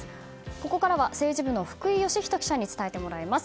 ここからは政治部の福井慶仁記者に伝えてもらいます。